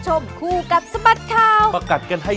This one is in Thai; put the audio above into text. สวัสดีค่ะ